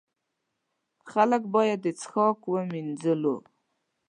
خلک باید د څښاک، مینځلو.